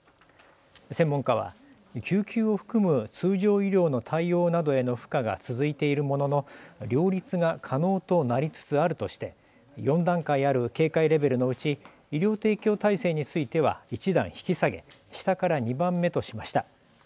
専門家は救急を含む通常医療の対応などへの負荷が続いているものの両立が可能となりつつあるとして４段階ある警戒レベルのうち医療提供体制については１段引き下げ下から２番目としました。